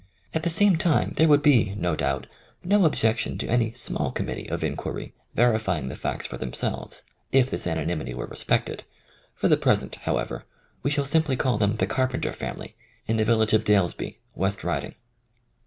At the same time there would be, no doubt, no ob jection to any small committee of inquiry verifying the facts for themselves if this anonymity were respected. For the present, however, we shall simply call them the Car penter family in the village of Dalesby, West Riding.